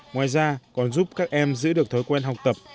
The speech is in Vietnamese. ngoài ra còn giúp các em giữ được thói quen học tập